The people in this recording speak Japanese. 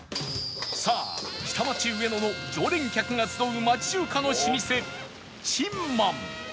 さあ下町上野の常連客が集う町中華の老舗珍満